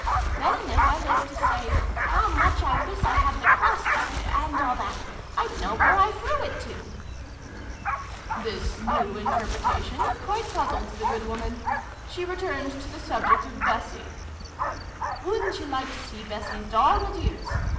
"Then, if I lived to say 'How much I wiss I had the crust ' (and all that), I'd know where I frew it to !" This new interpretation quite puzzled the good woman. She returned to the subject of 'Bessie.' "Wouldn't you like to see Bessie's doll, my dears